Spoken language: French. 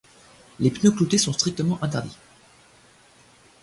Les pneus cloutés sont strictement interdits.